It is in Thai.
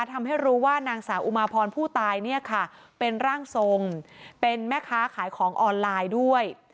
ทำให้รู้ว่านางสาวอุมาพรผู้ตายเนี่ยค่ะเป็นร่างทรงเป็นแม่ค้าขายของออนไลน์ด้วย